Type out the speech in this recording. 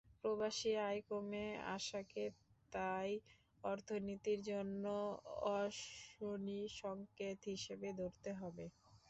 প্রবাসী আয় কমে আসাকে তাই অর্থনীতির জন্য অশনিসংকেত হিসেবে ধরতে হবে।